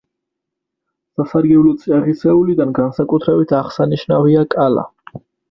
სასარგებლო წიაღისეულიდან განსაკუთრებით აღსანიშნავია კალა.